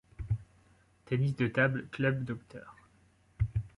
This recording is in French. Tennis de Table Club Dr.